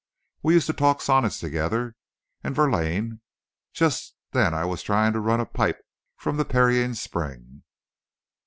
We used to talk sonnets together, and Verlaine. Just then I was trying to run a pipe from the Pierian spring."